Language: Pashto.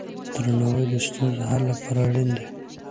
درناوی د ستونزو حل لپاره اړین دی.